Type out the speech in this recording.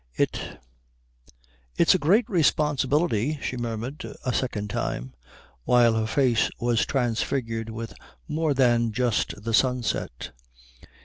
"It it's a great responsibility," she murmured a second time, while her face was transfigured with more than just the sunset.